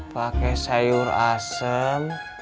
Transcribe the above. pakai sayur asem